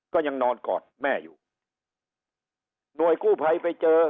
ก็ยังนอนกอดแม่อยู่หน่วยกู้ภัยไปเจอ